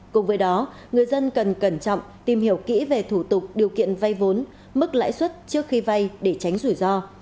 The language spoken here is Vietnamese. cùng với đó người dân cần cẩn trọng tìm hiểu kỹ về thủ tục điều kiện vay vốn mức lãi suất trước khi vay để tránh rủi ro